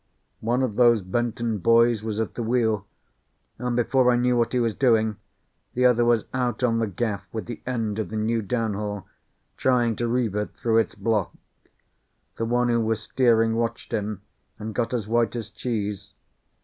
One of those Benton boys was at the wheel, and before I knew what he was doing, the other was out on the gaff with the end of the new downhaul, trying to reeve it through its block. The one who was steering watched him, and got as white as cheese.